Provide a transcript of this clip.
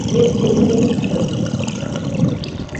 সে শুধু একদিনের জন্য খুশি হবে।